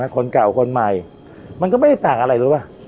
คนเก่าคนใหม่มันก็ไม่ได้ต่างอะไรรู้ป่ะ